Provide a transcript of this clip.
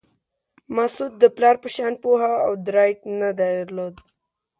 مسعود د پلار په شان پوهه او درایت نه درلود.